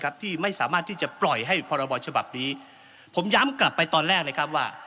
ครับที่ไม่สามารถที่จะปล่อยให้มีปรบรชบนี้ผมย้ำกลับไปตอนแรกและกลับว่า